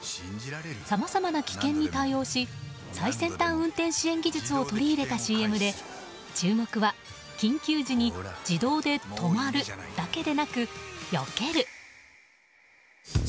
さまざまな危険に対応し最先端運転支援技術を取り入れたＣＭで注目は緊急時に自動で止まるだけでなく、よける。